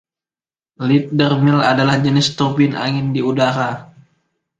Laddermill adalah jenis turbin angin di udara.